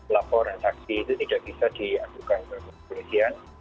laporan saksi itu tidak bisa diadukan ke polisian